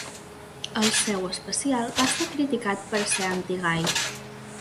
El seu especial va ser criticat per ser antigai.